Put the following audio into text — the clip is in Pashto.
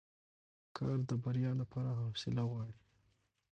کار د بریا لپاره حوصله غواړي